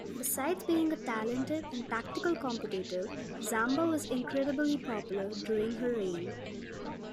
Besides being a talented and tactical competitor Zamba was incredibly popular during her reign.